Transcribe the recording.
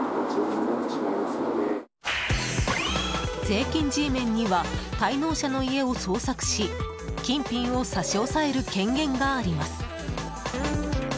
税金Ｇメンには滞納者の家を捜索し金品を差し押える権限があります。